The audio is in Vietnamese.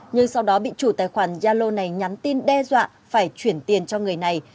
nhưng sau đó bị chủ tài khoản yalo này nhắn tin đe dọa phải chuyển tiền cho người này